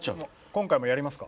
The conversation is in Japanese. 今回もやりますか？